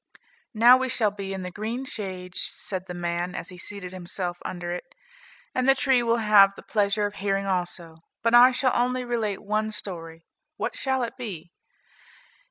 "Now we shall be in the green shade," said the man, as he seated himself under it, "and the tree will have the pleasure of hearing also, but I shall only relate one story; what shall it be?